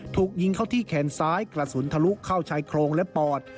ถูกยิงเข้าที่แขนซ้ายกระสุนทะลุเข้าชายโครงและปอด